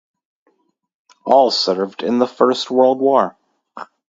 All served in the First World War.